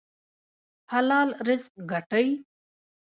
حلال رزق ګټئ